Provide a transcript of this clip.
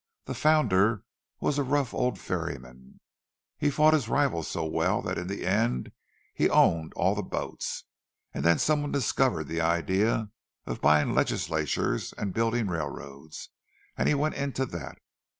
"The founder was a rough old ferryman. He fought his rivals so well that in the end he owned all the boats; and then some one discovered the idea of buying legislatures and building railroads, and he went into that.